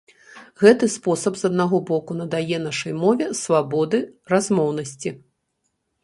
Гэты спосаб з аднаго боку надае нашай мове свабоды, размоўнасці.